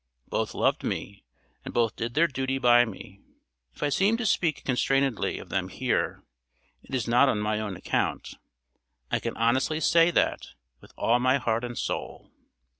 Both loved me, and both did their duty by me. If I seem to speak constrainedly of them here, it is not on my own account. I can honestly say that, with all my heart and soul.